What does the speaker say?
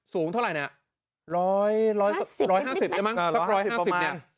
สูงเท่าไหร่เนี่ย๑๕๐เนี่ยมั้ง๑๕๐ประมาณ